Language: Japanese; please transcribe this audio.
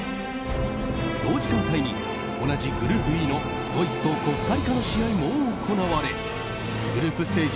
同時間帯に、同じグループＥのドイツとコスタリカの試合も行われグループステージ